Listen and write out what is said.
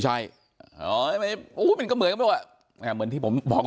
ใช่อ๋อมันก็เหมือนกันไม่กว่าอ่าเหมือนที่ผมบอกคุณ